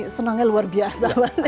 senangnya luar biasa